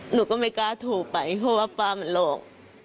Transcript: หนูก็ไม่กล้าโทรไปเพราะว่าป้ามันหลอก